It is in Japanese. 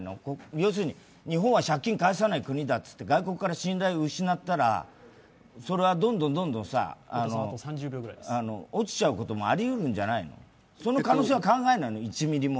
要するに日本は借金を返さない国だっていって外国から信頼を失ったらそれはどんどん落ちちゃうこともありうるんじゃないの？